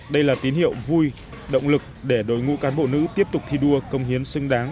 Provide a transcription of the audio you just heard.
đây là tín hiệu vui động lực để đội ngũ cán bộ nữ tiếp tục thi đua công hiến xứng đáng